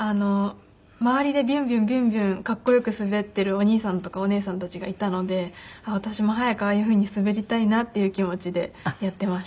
回りでビュンビュンビュンビュンかっこよく滑っているお兄さんとかお姉さんたちがいたので私も早くああいうふうに滑りたいなっていう気持ちでやっていました。